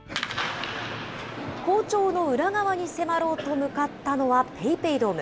好調の裏側に迫ろうと向かったのは、ＰａｙＰａｙドーム。